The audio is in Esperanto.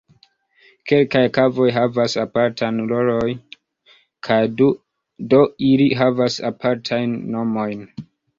Kelkaj kavoj havas apartan rolon kaj do ili havas apartajn nomojn.